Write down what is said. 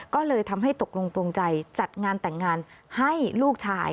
ก็เลยทำให้ตกลงโปรงใจจัดงานแต่งงานให้ลูกชาย